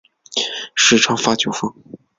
时常发酒疯